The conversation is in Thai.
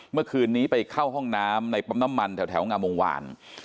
เมื่อคืนนี้ไปเข้าห้องน้ำในปั๊มน้ำมันแถวงามวงวาน